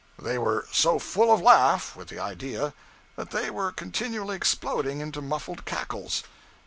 They were 'so full of laugh' with the idea, that they were continually exploding into muffled cackles.